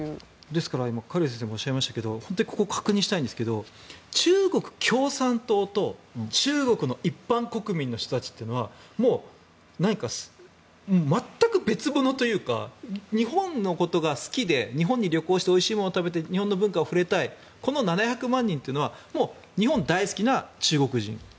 ですから今カ・リュウ先生もおっしゃいましたが本当に確認したいんですが中国共産党と中国の一般国民の人たちというのは何か全く別物というか日本のことが好きで日本に旅行しておいしいもの食べて日本の文化に触れたいこの７００万人というのはもう日本大好きな中国人。